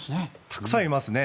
たくさんいますね。